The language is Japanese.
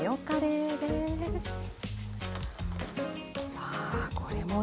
さあこれもね